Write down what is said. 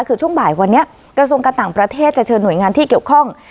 คือช่วงบ่ายวันนี้กระทรวงการต่างประเทศจะเชิญหน่วยงานที่เกี่ยวข้อง